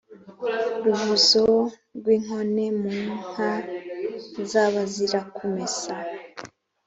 Ruvuzo rw' inkone mu nka z' Abazirakumesa